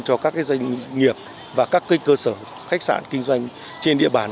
cho các doanh nghiệp và các cơ sở khách sạn kinh doanh trên địa bàn